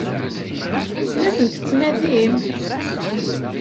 La tent-tettnadim?